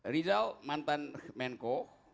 rizal mantan menko